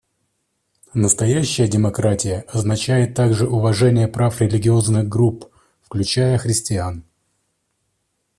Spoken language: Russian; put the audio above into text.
Настоящая демократия означает также уважение прав религиозных групп, включая христиан.